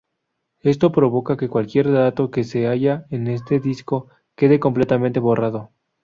Esto provoca que cualquier dato que haya en ese disco quede completamente borrado.